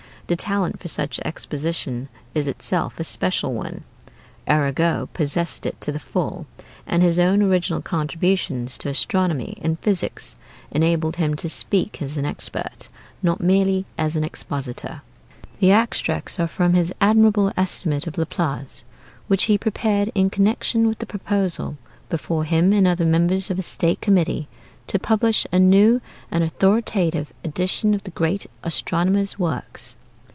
The talent for such exposition is itself a special one. Arago possessed it to the full, and his own original contributions to astronomy and physics enabled him to speak as an expert, not merely as an expositor. The extracts are from his admirable estimate of Laplace, which he prepared in connection with the proposal, before him and other members of a State Committee, to publish a new and authoritative edition of the great astronomer's works.